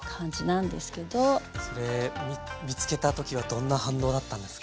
それ見つけた時はどんな反応だったんですか？